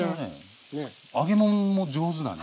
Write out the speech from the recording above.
揚げもんも上手だね。